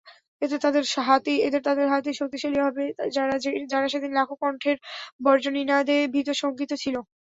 এতে তাদের হাতই শক্তিশালী হবে, যারা সেদিন লাখো কণ্ঠের বজ্রনিনাদে ভীত-শঙ্কিত ছিল।